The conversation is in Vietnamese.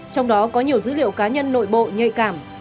trong đó có nhiều dữ liệu cá nhân nội bộ nhạy cảm